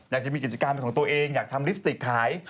อยากจะมีกิจการเป็นของตัวเองอยากทำลิปสติกขาย